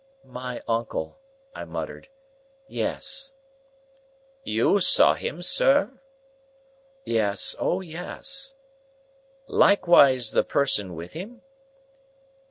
"My uncle," I muttered. "Yes." "You saw him, sir?" "Yes. Oh yes." "Likewise the person with him?"